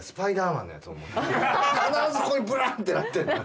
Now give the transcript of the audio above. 必ずここにブランってなってんの。